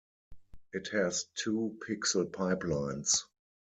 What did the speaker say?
It has two pixel pipelines.